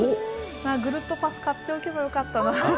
ぐるっとパス買っておけばよかったな。